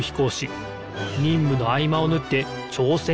にんむのあいまをぬってちょうせんしてくれました。